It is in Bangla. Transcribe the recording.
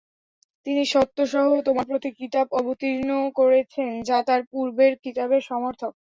তিনি সত্যসহ তোমার প্রতি কিতাব অবতীর্ণ করেছেন, যা তার পূর্বের কিতাবের সমর্থক।